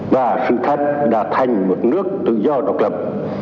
và sự thật đã thành một nước tự do độc lập